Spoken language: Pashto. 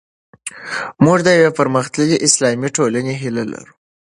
موږ د یوې پرمختللې اسلامي ټولنې هیله لرو.